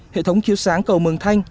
hệ thống chiếu sáng cầu mường thanh